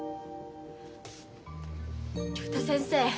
竜太先生